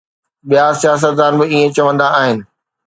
ٻيا سياستدان به ائين چوندا آهن.